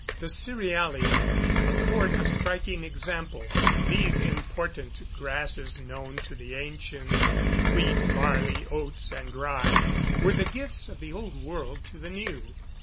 The cerealia afford a striking example. These important grasses known to the ancients, wheat, barley, oats, and rye, were the gifts of the Old World to the New.